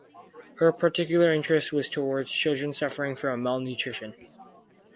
Her particular interest was towards children suffering from malnutrition.